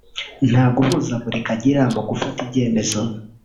nta guhuzagurika agira mu gufata ibyemezo